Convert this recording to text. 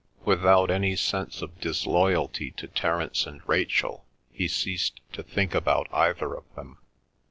Without any sense of disloyalty to Terence and Rachel he ceased to think about either of them.